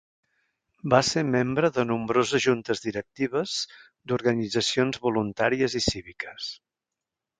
Va ser membre de nombroses juntes directives d'organitzacions voluntàries i cíviques.